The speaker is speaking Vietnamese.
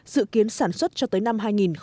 dự kiến sản xuất cho tới năm hai nghìn hai mươi